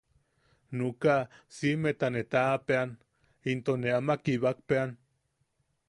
Nuʼuka siʼime ne taʼapeʼan into ne ama kibakpeʼan.